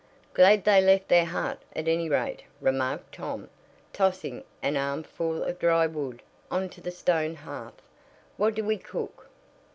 "Glad they left their hut, at any rate," remarked Tom, tossing an armful of dry wood on to the stone hearth. "What do we cook?"